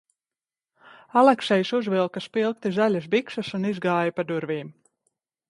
Aleksejs uzvilka spilgti zaļas bikses un izgāja pa durvīm.